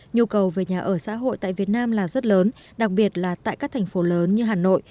nhu cầu về nhà ở xã hội tại việt nam là rất lớn đặc biệt là tại các thành phố lớn như hà nội